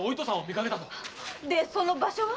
でその場所は？